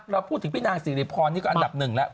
เราพูดถึงพี่นางสิริพรนี่ก็อันดับหนึ่งแล้ว